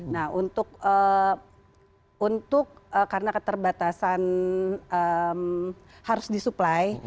nah untuk karena keterbatasan harus disuplai